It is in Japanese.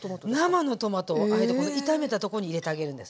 生のトマトをあえてこの炒めた所に入れてあげるんです。